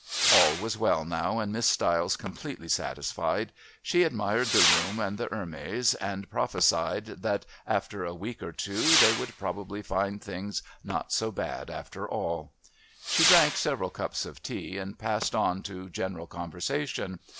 All was well now and Miss Stiles completely satisfied. She admired the room and the Hermes, and prophesied that, after a week or two, they would probably find things not so bad after all. She drank several cups of tea and passed on to general conversation.